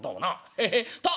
ヘヘッ！